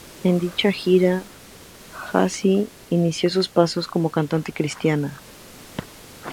En dicha gira, Jaci inició sus pasos como cantante cristiana.